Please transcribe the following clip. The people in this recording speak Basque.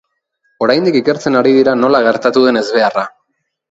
Oraindik ikertzen ari dira nola gertatu den ezbeharra.